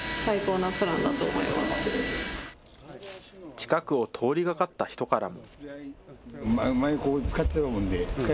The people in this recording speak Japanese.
近くを通りがかった人からも。